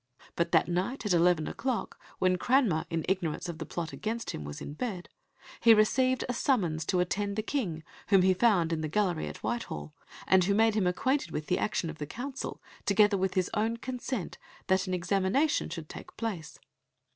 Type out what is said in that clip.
But that night, at eleven o'clock, when Cranmer, in ignorance of the plot against him, was in bed, he received a summons to attend the King, whom he found in the gallery at Whitehall, and who made him acquainted with the action of the Council, together with his own consent that an examination should take place.